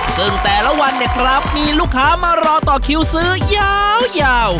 ซึ่งแต่ละวันเนี่ยครับมีลูกค้ามารอต่อคิวซื้อยาว